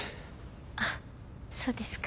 ああそうですか。